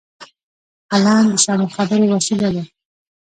قلم د سمو خبرو وسیله ده